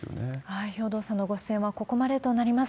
兵頭さんのご出演はここまでとなります。